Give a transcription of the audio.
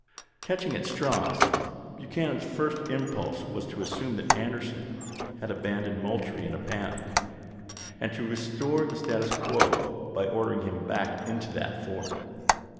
Catching at straws, Buchanan's first impulse was to assume that Anderson had abandoned Moultrie w.cr' vol in a panic, and to restore the status quo by order ing him back into that fort.